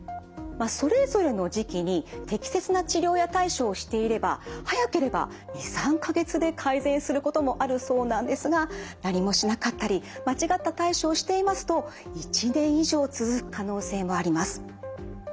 それぞれの時期に適切な治療や対処をしていれば早ければ２３か月で改善することもあるそうなんですが何もしなかったり間違った対処をしていますと１年以上続く可能性もあります。